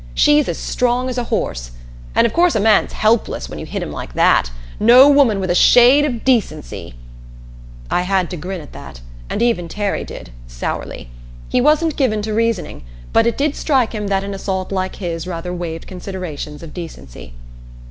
"She's as strong as a horse. And of course a man's helpless when you hit him like that. No woman with a shade of decency " I had to grin at that, and even Terry did, sourly. He wasn't given to reasoning, but it did strike him that an assault like his rather waived considerations of decency.